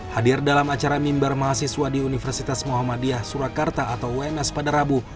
hadir dalam acara mimbar mahasiswa di universitas muhammadiyah surakarta atau ums pada rabu